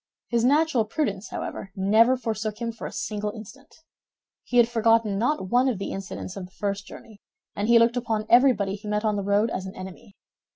His natural prudence, however, never forsook him for a single instant. He had forgotten not one of the incidents of the first journey, and he looked upon everybody he met on the road as an enemy.